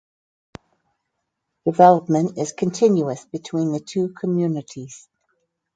Development is continuous between the two communities.